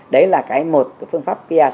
đấy là cái một phương pháp kia sản phẩm